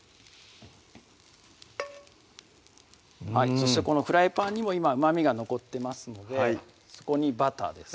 そしてこのフライパンにも今うまみが残ってますのでそこにバターです